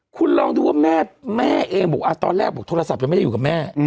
คุณลองดูว่าแม่เองบอกตอนแรกบอกโทรศัพท์ยังไม่ได้อยู่กับแม่